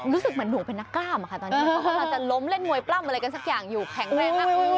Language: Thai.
รู้สึกเหมือนหนูเป็นนักกล้ามค่ะตอนนี้เขากำลังจะล้มเล่นมวยปล้ำอะไรกันสักอย่างอยู่แข็งแรงมาก